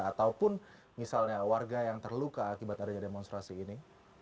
ataupun misalnya warga yang terluka akibat adanya demonstrasi ini